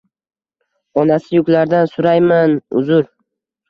Onasi yuklardan surayman uzr